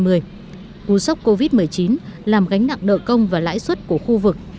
trước năm hai nghìn hai mươi ú sốc covid một mươi chín làm gánh nặng nợ công và lãi suất của khu vực